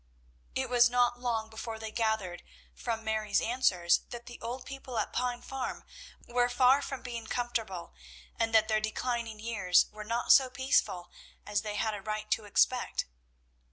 It was not long before they gathered from Mary's answers that the old people at Pine Farm were far from being comfortable, and that their declining years were not so peaceful as they had a right to expect.